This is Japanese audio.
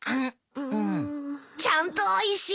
ちゃんとおいしい！